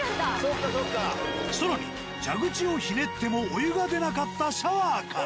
更に蛇口をひねってもお湯が出なかったシャワーから。